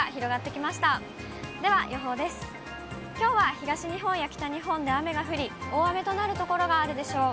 きょうは東日本や北日本で雨が降り、大雨となる所があるでしょう。